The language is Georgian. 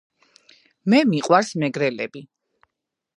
მე მიყვარს მეგრელები